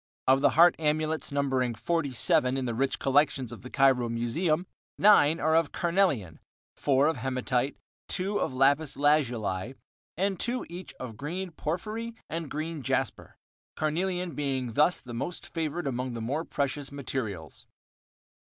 Of the heart amulets, numbering 47 in the rich collections of the Cairo Museum, nine are of carnelian, four of hematite, two of lapis lazuli, and two each of green porphyry and green jasper, carnelian being thus the most favored among the more precious materials.